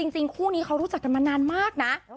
คู่นี้เขารู้จักกันมานานมากนะ